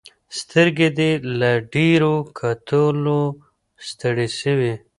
سترګې دې له ډیرو کتلو ستړي سوې.